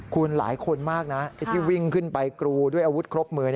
คุณหลายคนมากนะที่วิ่งขึ้นไปกรูด้วยอาวุธครบมือ